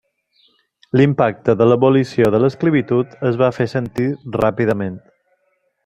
L'impacte de l'abolició de l'esclavitud es va fer sentir ràpidament.